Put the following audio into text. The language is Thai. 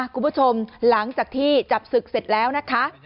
คุณผู้ชมหลังจากที่จับศึกเสร็จแล้วนะคะ